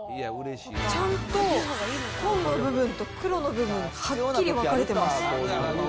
ちゃんと紺の部分と黒の部分、はっきり分かれてます。